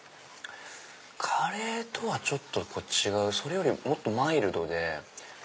カレーとはちょっと違うそれよりもっとマイルドで。